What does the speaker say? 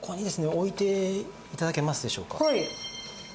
置いて頂けますでしょうか。